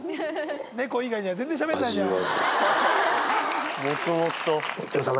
猫以外には全然しゃべんないじゃん。